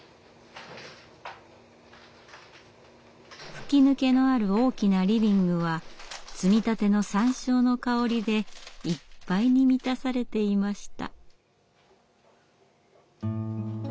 吹き抜けのある大きなリビングは摘みたてのサンショウの香りでいっぱいに満たされていました。